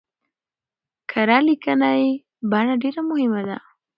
کره ليکنۍ بڼه ډېره مهمه ده.